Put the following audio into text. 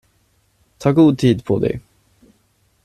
Ta god tid på dig.